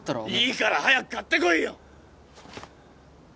いいから早く買ってこいよ！